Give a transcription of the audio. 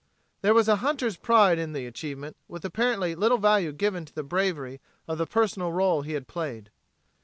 There was a hunter's pride in the achievement with apparently little value given to the bravery of the personal role he had played.